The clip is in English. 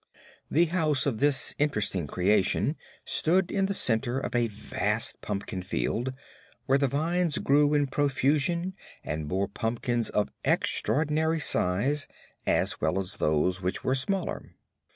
The house of this interesting creation stood in the center of a vast pumpkin field, where the vines grew in profusion and bore pumpkins of extraordinary size as well as those which were smaller.